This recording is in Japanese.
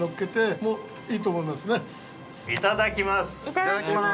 いただきます。